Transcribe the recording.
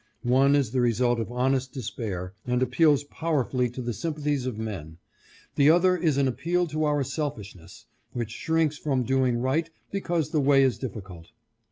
One is the result of honest despair, and appeals powerfully to the sympathies of men ; the other is an appeal to our selfishness, which shrinks from doing right because the way is difficult.